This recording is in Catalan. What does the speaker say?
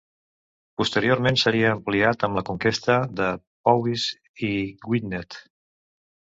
Posteriorment seria ampliat amb la conquesta de Powys i Gwynedd.